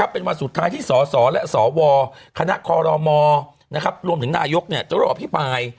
เป็นวันสุดท้ายที่สสและสวคณะคอรมรวมถึงนายกจะรออภิปราย